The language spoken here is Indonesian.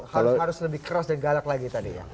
harus lebih keras dan galak lagi tadi ya